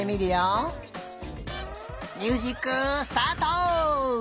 ミュージックスタート！